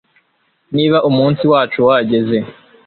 niba umunsi wacu wageze